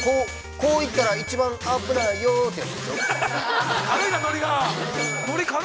こう行ったら、一番危ないよというやつでしょう。